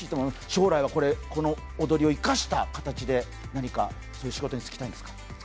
将来はこの踊りを生かした形で何か仕事に就きたいんですか？